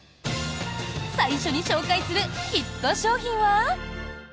最初に紹介するヒット商品は。